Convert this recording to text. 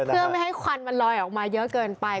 เพื่อไม่ให้ควันมันลอยออกมาเยอะเกินไป